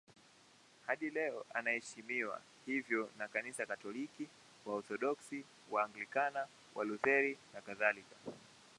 Hadi leo anaheshimiwa hivyo na Kanisa Katoliki, Waorthodoksi, Waanglikana, Walutheri nakadhalika.